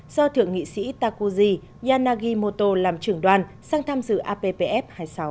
do thượng nghị sĩ takuji yanagimoto làm trưởng đoàn sang tham dự appf hai mươi sáu